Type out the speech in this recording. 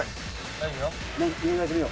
大丈夫よ。